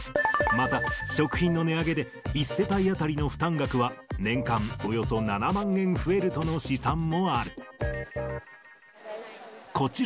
また食品の値上げで、１世帯当たりの負担額は年間およそ７万円増えるとの試算もある。